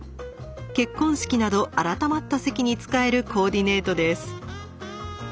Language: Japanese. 結婚式など改まった席に使えるコーディネートです。